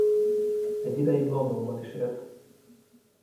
Egy ideig Londonban is élt.